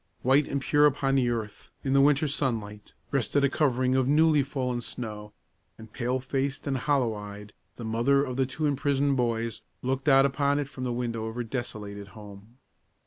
White and pure upon the earth, in the winter sunlight, rested a covering of newly fallen snow; and, pale faced and hollow eyed, the mother of the two imprisoned boys looked out upon it from the window of her desolated home.